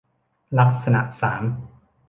ลักษณะสาม